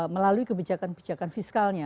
melalui kebijakan kebijakan fiskalnya